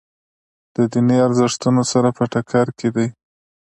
د دیني ارزښتونو سره په ټکر کې دي.